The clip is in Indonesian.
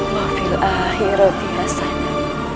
ma fil ahiru tiasana